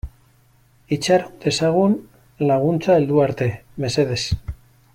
Itxaron dezagun laguntza heldu arte, mesedez.